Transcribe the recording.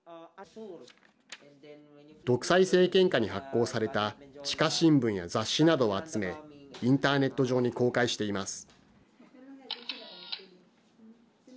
独裁政権下に発行された地下新聞や雑誌などを集めインターネット上に公開しています。